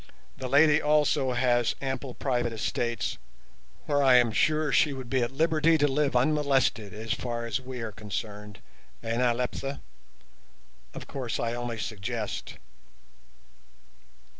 The lady also has ample private estates, where I am sure she would be at liberty to live unmolested as far as we are concerned, eh, Nyleptha? Of course, I only suggest."